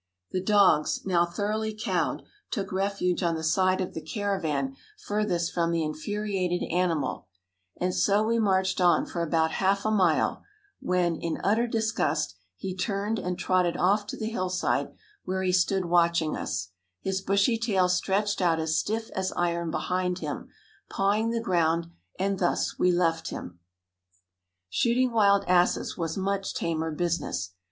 The dogs, now thoroughly cowed, took refuge on the side of the caravan furthest from the infuriated animal, and so we marched on for about half a mile, when, in utter disgust, he turned and trotted off to the hillside where he stood watching us, his bushy tail stretched out as stiff as iron behind him, pawing the ground, and thus we left him. Shooting wild asses was much tamer business.